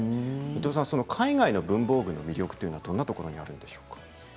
海外の文房具の魅力はどんなところにあるんでしょうか。